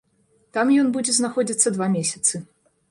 Там ён будзе знаходзіцца два месяцы.